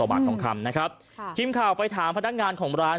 บาททองคำนะครับค่ะทีมข่าวไปถามพนักงานของร้าน